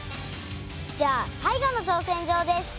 じゃあ最後の挑戦状です。